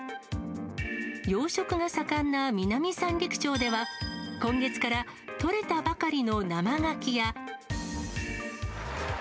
養殖が盛んな南三陸町では、今月から取れたばかりの生ガキや。